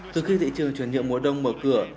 từ khi thị trường truyền nhiệm mùa đông mở cửa